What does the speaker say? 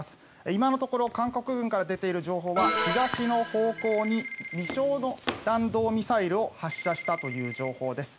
今のところ韓国軍から出ている情報は東の方向に未詳の弾道ミサイルを発射したという情報です。